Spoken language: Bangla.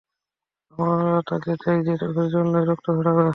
আমরা তাকে চাই, যে চোখের জল নয়, রক্ত ঝড়াবে।